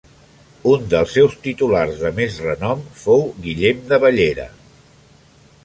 Un dels seus titulars de més renom fou Guillem de Bellera.